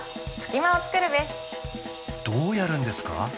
どうやるんですか？